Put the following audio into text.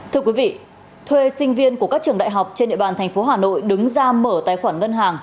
thưa quý vị thuê sinh viên của các trường đại học trên địa bàn thành phố hà nội đứng ra mở tài khoản ngân hàng